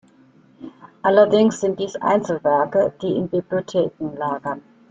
Allerdings sind dies Einzelwerke, die in Bibliotheken lagern.